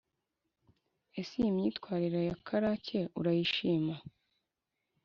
ese iyi myitwarire ya karake urayishima?